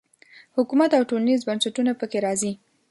حکومت او ټولنیز بنسټونه په کې راځي.